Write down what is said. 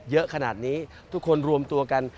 เยอะขนาดนี้ทุกคนรวมตัวกัน